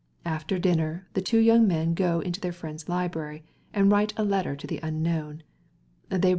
After dinner the two young men go into their host's study, and write a letter to the unknown fair one.